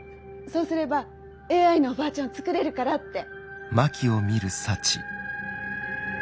そうすればＡＩのおばあちゃんを創れるからって。